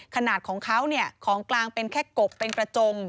ขนาดของเขาเนี่ยของกลางเป็นแค่กบเป็นกระจง